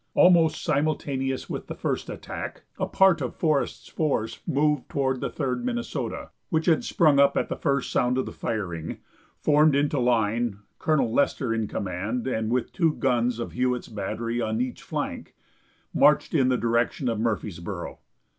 Almost simultaneous with the first attack, a part of Forest's force moved toward the Third Minnesota, which had sprung up at the first sound of the firing, formed into line, Colonel Lester in command, and with two guns of Hewitt's Battery on each flank, marched in the direction of Murfreesboro.